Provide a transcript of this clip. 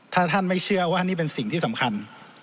ถ้าท่านไม่เชื่อว่านี่เป็นสิ่งที่สำคัญ